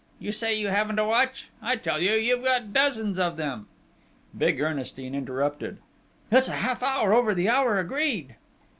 You say you haven't a watch! I tell you, you've got dozens of 'em!..." Big Ernestine interrupted. "It's a half hour over the hour agreed...."